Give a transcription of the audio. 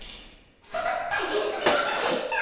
たた大変すみませんでした。